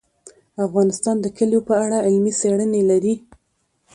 افغانستان د کلیو په اړه علمي څېړنې لري.